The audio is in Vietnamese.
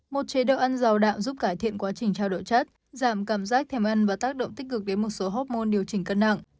một chế độ ăn giàu đạm giúp cải thiện quá trình trao đổi chất giảm cảm giác thèm ăn và tác động tích cực đến một số hormone điều chỉnh cân nặng